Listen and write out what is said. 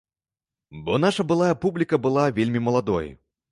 Бо наша былая публіка была вельмі маладой.